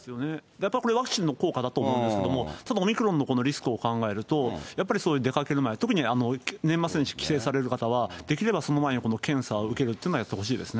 やっぱりこれ、ワクチンの効果だと思うんですけれども、たぶんオミクロンのリスクを考えると、やっぱりそういう出かける前、特に年末に帰省される方は、できれば、その前にこの検査を受けるっていうのをやってほしいですね。